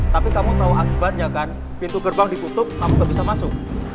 tapi kamu tahu akibatnya kan pintu gerbang ditutup kamu nggak bisa masuk